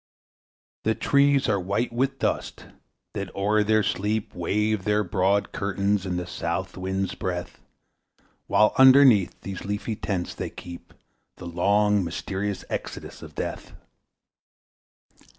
The trees are white with dust, that o'er their sleep Wave their broad curtains in the south wind's breath, While underneath such leafy tents they keep The long, mysterious Exodus of Death.